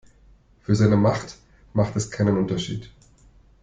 Für seine Macht macht es keinen Unterschied.